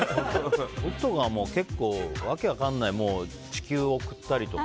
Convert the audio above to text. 僕とか訳分からない地球を送ったりとか。